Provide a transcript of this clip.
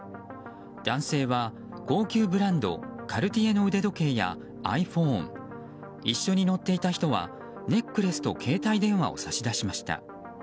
男性は、高級ブランドカルティエの腕時計やｉＰｈｏｎｅ一緒に乗っていた人はネックレスと携帯電話を差し出しました。